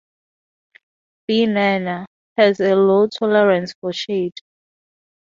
"B. nana" has a low tolerance for shade.